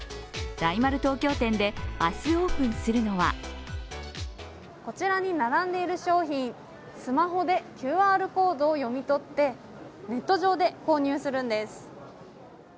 大丸東京店で明日オープンするのはこちらに並んでいる商品スマホでＱＲコードを読み取ってネット上で購入するんです。